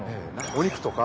お肉とか。